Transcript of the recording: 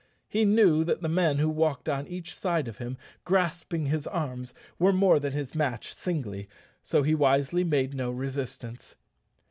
He knew that the men who walked on each side of him grasping his arms were more than his match singly, so he wisely made no resistance.